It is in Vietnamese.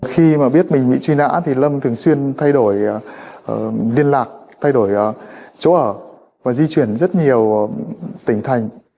khi mà biết mình bị truy nã thì lâm thường xuyên thay đổi liên lạc thay đổi chỗ ở và di chuyển rất nhiều tỉnh thành